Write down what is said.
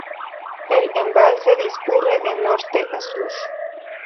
El embalse discurre de norte a sur.